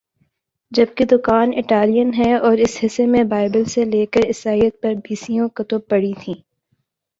جبکہ دکان اٹالین ہے اور اس حصہ میں بائبل سے لیکر عیسائیت پر بیسیوں کتب پڑی تھیں